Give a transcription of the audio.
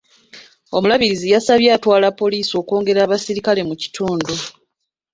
Omulabirizi yasabye atwala poliisi okwongera abaserikale mu kitundu.